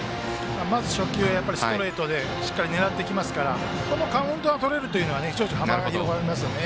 まず初球はストレートをしっかり狙ってきますからカウントがとれると幅が広がりますね。